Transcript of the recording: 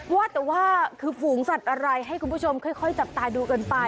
ว่าแต่ว่าคือฝูงสัตว์อะไรให้คุณผู้ชมค่อยจับตาดูกันไป